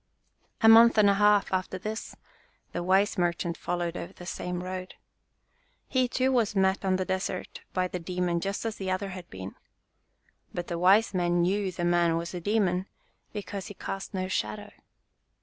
A month and a half after this the wise merchant followed over the same road. He, too, was met on the desert by the demon just as the other had been. But the wise man knew the man was a demon because he cast no shadow.